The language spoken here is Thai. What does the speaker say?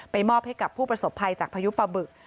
มอบให้กับผู้ประสบภัยจากพายุปะบึก